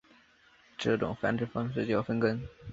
这种繁殖方式叫分根。